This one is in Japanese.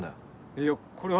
いやこれは。